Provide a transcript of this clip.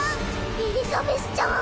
エリザベスちゃん。